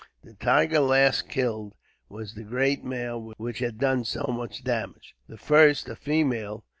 The tiger last killed was the great male which had done so much damage; the first, a female.